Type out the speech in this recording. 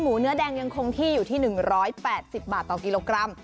เนื้อแดงยังคงที่อยู่ที่๑๘๐บาทต่อกิโลกรัม